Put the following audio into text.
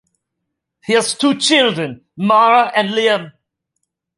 He has two children, Mara and Liam.